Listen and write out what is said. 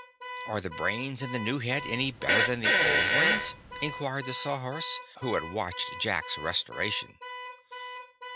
"Are the brains in the new head any better than the old ones?" inquired the Sawhorse, who had watched Jack's restoration.